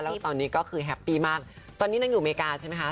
แล้วตอนนี้ก็คือแฮปปี้มากตอนนี้นางอยู่อเมริกาใช่ไหมคะ